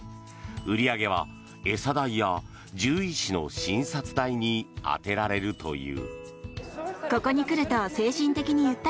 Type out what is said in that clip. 売り上げは餌代や獣医師の診察代に充てられるという。